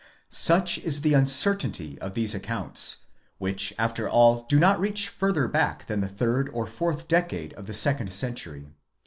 Such is the uncertainty of these accounts, which after all do not reach further back than the third or fourth decade of the second century.